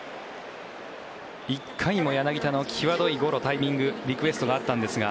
１回も柳田の際どいゴロタイミングリクエストがあったんですが。